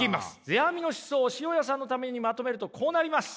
世阿弥の思想を塩屋さんのためにまとめるとこうなります。